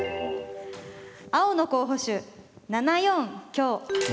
青の候補手７四香。